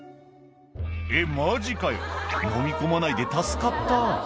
「えっマジかよのみ込まないで助かった」